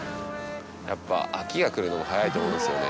やっぱ飽きがくるのも早いと思うんですよね。